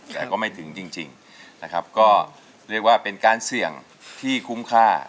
แต่ก็ไม่ถึงจริงนะครับก็เรียกว่าเป็นการเสี่ยงที่คุ้มค่า